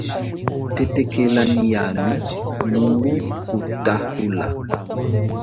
Tetekela nyi yami mungukutaula.